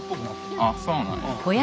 あっそうなんや。